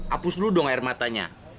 hapus dulu dong air matanya